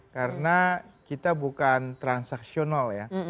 karena kita bukan transaksional ya